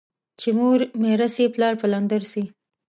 چي مور ميره سي ، پلار پلندر سي.